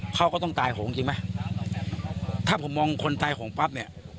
เขาก็ต้องตายโหงจริงไหมถ้าผมมองคนตายโหงปั๊บเนี่ย